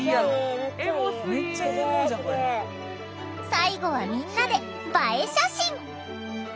最後はみんなで映え写真！